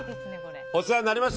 お世話になりました